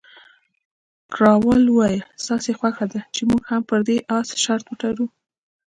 کراول وویل، ستاسې خوښه ده چې موږ هم پر همدې اس شرط وتړو؟